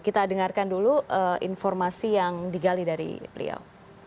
kita dengarkan dulu informasi yang digali dari beliau